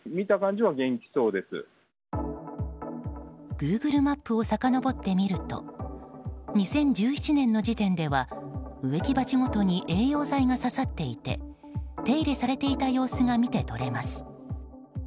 グーグルマップをさかのぼってみると２０１７年の時点では植木鉢ごとに栄養剤が刺さっていて手入れされていた様子が見て取れます。